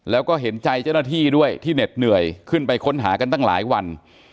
แล้วก็เห็นใจเจ้าหน้าที่ด้วยที่เหน็ดเหนื่อยขึ้นไปค้นหากันตั้งหลายวัน